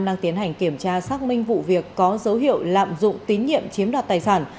đang tiến hành kiểm tra xác minh vụ việc có dấu hiệu lạm dụng tín nhiệm chiếm đoạt tài sản